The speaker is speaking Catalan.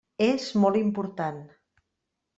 És molt important.